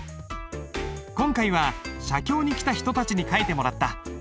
今回は写経に来た人たちに書いてもらった。